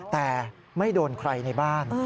แต่ไม่โดนใครในบ้าน